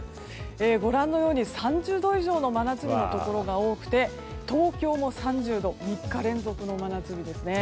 ご覧のように３０度以上の真夏日のところが多くて東京も３０度３日連続真夏日です。